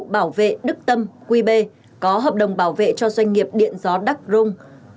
bảo vệ đức tâm qb có hợp đồng bảo vệ cho doanh nghiệp điện gió đắc rung một trăm hai mươi ba